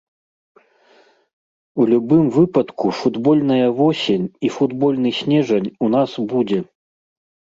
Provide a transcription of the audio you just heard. У любым выпадку футбольная восень і футбольны снежань у нас будзе.